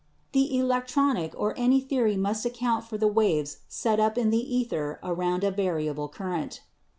"The electronic or any theory must account for the waves set up in the ether around a variable current.